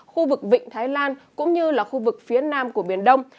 khu vực vịnh thái lan cũng như là khu vực phía nam của biển đông